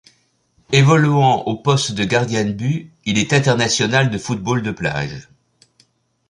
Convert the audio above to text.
Évoluant au poste de gardien de but, il est international de football de plage.